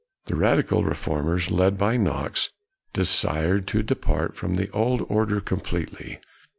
The radical reformers, led by Knox, desired to depart from the old order completely.